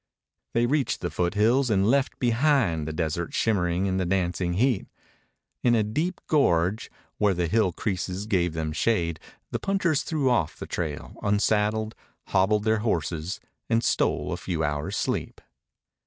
They reached the foothills and left behind the desert shimmering in the dancing heat. In a deep gorge, where the hill creases gave them shade, the punchers threw off the trail, unsaddled, hobbled their horses, and stole a few hours' sleep.